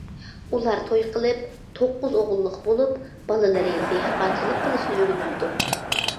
ئۇلار توي قىلىپ توققۇز ئوغۇللۇق بولۇپ، بالىلىرى دېھقانچىلىق قىلىشنى ئۆگىنىپتۇ.